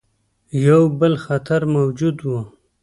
یو بل خطر موجود وو.